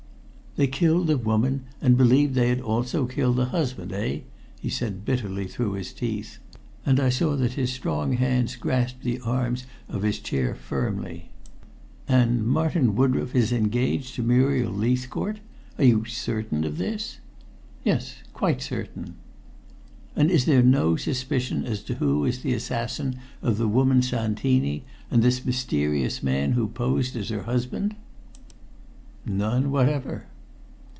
"They killed the woman, and believed they had also killed her husband, eh?" he said bitterly through his teeth, and I saw that his strong hands grasped the arms of his chair firmly. "And Martin Woodroffe is engaged to Muriel Leithcourt. Are you certain of this?" "Yes; quite certain." "And is there no suspicion as to who is the assassin of the woman Santini and this mysterious man who posed as her husband?" "None whatever."